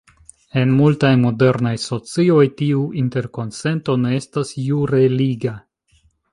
En multaj modernaj socioj tiu interkonsento ne estas jure liga.